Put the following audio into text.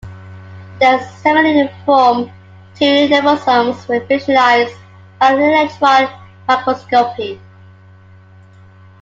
They are similar in form to desmosomes when visualized by electron microscopy.